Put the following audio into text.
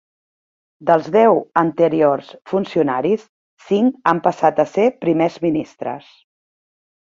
Dels deu anteriors funcionaris, cinc han passat a ser primers ministres.